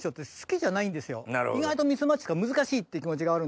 意外とミスマッチっていうか難しいっていう気持ちがある。